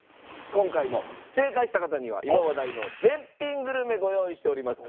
今回も正解した方には今話題の絶品グルメご用意しております。